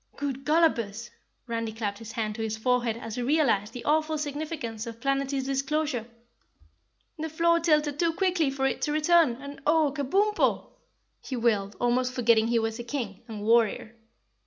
"Good Gollopers!" Randy clapped his hand to his forehead as he realized the awful significance of Planetty's disclosure. "The floor tilted too quickly for it to return, and OH, KABUMPO!" he wailed, almost forgetting he was a King and Warrior.